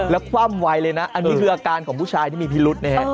แล้วคว่ำไวเลยนะอันนี้คืออาการของผู้ชายที่มีพิรุษนะฮะ